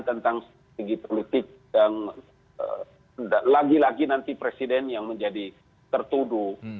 tentang segi politik dan lagi lagi nanti presiden yang menjadi tertuduh